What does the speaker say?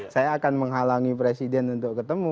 saya akan menghalangi presiden untuk ketemu